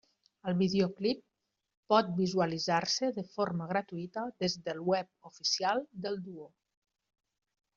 El videoclip pot visualitzar-se de forma gratuïta des del web oficial del duo.